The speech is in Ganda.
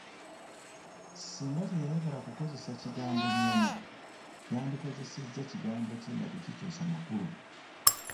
Singa teyayagala kukozesa kigambo nnyama, yandikozesezza kigambo ki nga tekikyusa makulu?